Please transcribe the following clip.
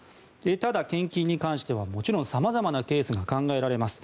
ただ、献金に関してはもちろんさまざまなケースが考えられます。